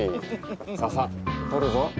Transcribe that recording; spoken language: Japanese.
ささ撮るぞ。